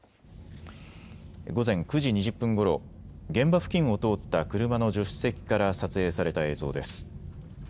午前９時２０分ごろ現場付近を通った車の助手席から撮影された映像です。